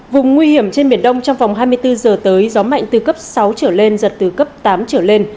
vùng nguy hiểm trên biển đông trong vòng hai mươi bốn giờ tới gió mạnh từ cấp sáu trở lên giật từ cấp tám trở lên